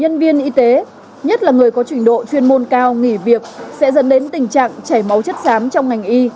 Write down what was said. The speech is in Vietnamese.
nhân viên y tế nhất là người có trình độ chuyên môn cao nghỉ việc sẽ dẫn đến tình trạng chảy máu chất xám trong ngành y